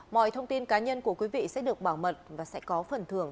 mọi thông tin cá nhân của quý vị sẽ được bảo mật và sẽ có phần thưởng